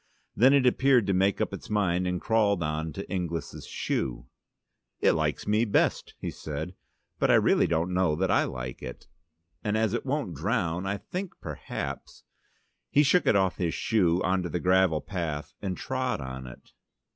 Then it appeared to make up its mind, and crawled on to Inglis' shoe. "It likes me best," he said, "but I don't really know that I like it. And as it won't drown I think perhaps " He shook it off his shoe on to the gravel path and trod on it.